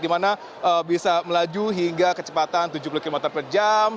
di mana bisa melaju hingga kecepatan tujuh puluh km per jam